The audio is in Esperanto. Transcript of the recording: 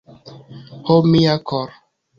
Ho mia kor'